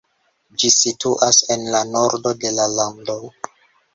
Ĝi situas en la nordo de la lando.